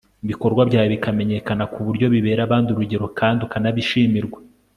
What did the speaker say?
ibikorwa byawe bikamenyekana ku buryo bibera abandi urugero kandi ukanabishimirwa